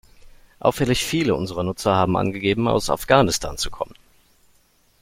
Auffällig viele unserer Nutzer haben angegeben, aus Afghanistan zu kommen.